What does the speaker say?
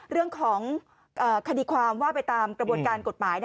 เรื่องของคดีความว่าไปตามกระบวนการกฎหมาย